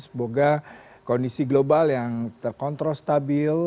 semoga kondisi global yang terkontrol stabil